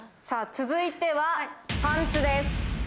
さぁ続いては、パンツです。